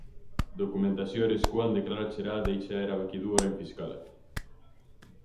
Dokumentazio hori eskuan, deklaratzera deitzea erabaki du orain fiskalak.